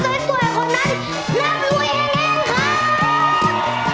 แล้วลุยเองเองค่ะ